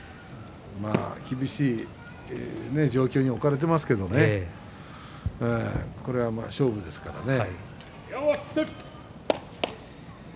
厳しい状況に置かれていますがこれは勝負ですからね。